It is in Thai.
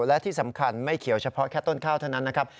และที่สำคัญไม่เขียวเฉพาะแค่ต้นข้าวเท่านั้นนะครับ